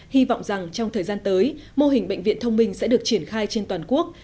hy vọng rằng trong thời gian tới mô hình bệnh viện thông minh sẽ được triển khai trên toàn quốc